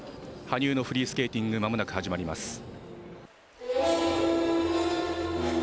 羽生のフリースケーティング、まもなく始まります。